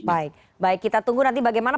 baik baik kita tunggu nanti bagaimana